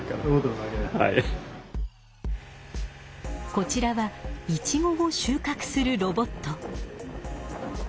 こちらはイチゴをしゅうかくするロボット。